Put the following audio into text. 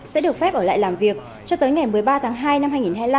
sẽ được phép ở lại làm việc cho tới ngày một mươi ba tháng hai năm hai nghìn hai mươi năm